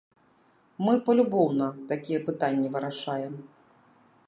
Мы палюбоўна такія пытанні вырашаем.